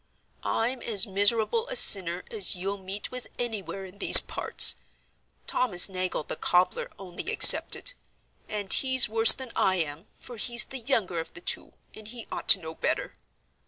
I'm as miserable a sinner as you'll meet with anywhere in these parts—Thomas Nagle, the cobbler, only excepted; and he's worse than I am, for he's the younger of the two, and he ought to know better.